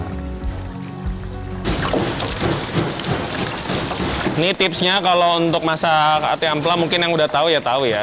ini tipsnya kalau untuk masak ati ampola mungkin yang udah tau ya tau ya